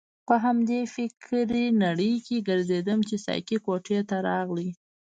په همدې فکرې نړۍ کې ګرځیدم چې ساقي کوټې ته راغی.